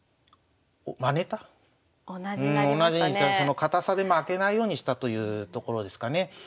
堅さで負けないようにしたというところですかね。